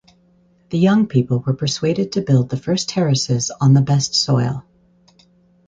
The young people were persuaded to build the first terraces on the best soil.